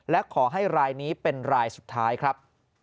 และขอให้รายนี้เป็นรายสุดท้ายครับ